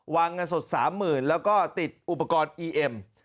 เงินสด๓๐๐๐แล้วก็ติดอุปกรณ์อีเอ็ม